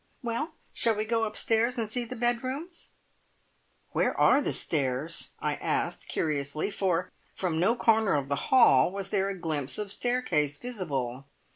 Well, shall we go upstairs and see the bedrooms?" "Where are the stairs?" I asked curiously, for from no corner of the hall was there a glimpse of staircase visible.